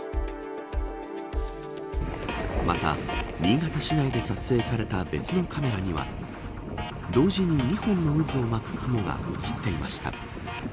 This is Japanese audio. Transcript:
また、新潟市内で撮影された別のカメラには同時に２本の渦を巻く雲が映っていました。